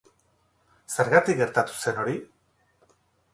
Zergatik gertatu zen hori?